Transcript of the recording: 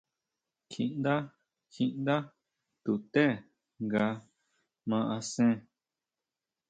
Kjiʼndá, kjiʼndá tuté nga ma asen.